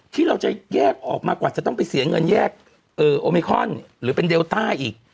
ที่เราจะแยกออกมากว่าจะต้องไปเสียเงินแยกโอมิคอนหรือเป็นเดลต้าอีก